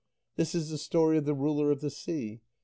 That is the story of the ruler of the sea.